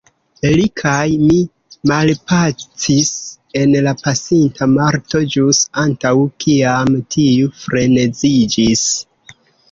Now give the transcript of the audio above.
Li kaj mi malpacis en la pasinta Marto, ĵus antaŭ kiam tiu freneziĝis.